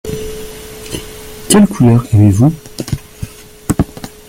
Quelle couleur aimez-vous ?